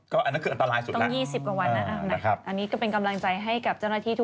ก็อันน้าก็อันตรายสุดงั้นอันนี้ก็เป็นกำลังใจให้กับ